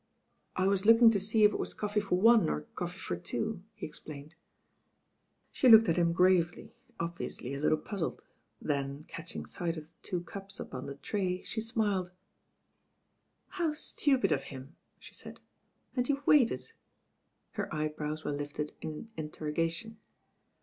"I was looking to see if it was coffee for one or coffee for two," he explained. She looked at him gravely, obviously a little puz zled; then, catching sight of the two cups upon the tray, she smiled. '•How stupid of him," she said, "and youVe waited?" Her eyebrows were lifted in interroga tion.